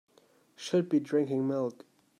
Should be drinking milk.